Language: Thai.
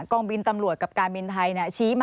กองบินตำรวจกับการบินไทยชี้มา